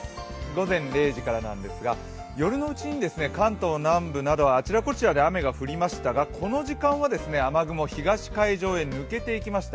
午前０時からなんですが夜のうちに関東南部などあちらこちらで雨が降りましたがこの時間は雨雲、東海上へ抜けていきました。